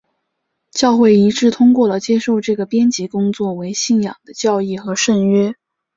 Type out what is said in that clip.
教会一致通过了接受这个编辑工作为信仰的教义和圣约。